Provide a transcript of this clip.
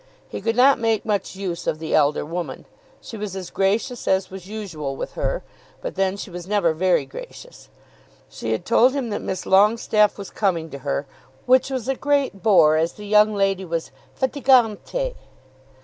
He could not make much use of the elder woman. She was as gracious as was usual with her; but then she was never very gracious. She had told him that Miss Longestaffe was coming to her, which was a great bore, as the young lady was "fatigante."